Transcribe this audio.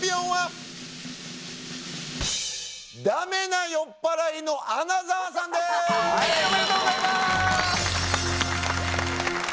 はい。